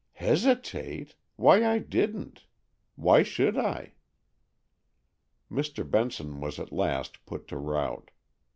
"Hesitate! Why, I didn't. Why should I?" Mr. Benson was at last put to rout.